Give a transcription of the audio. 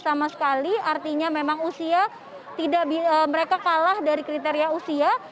sama sekali artinya memang usia mereka kalah dari kriteria usia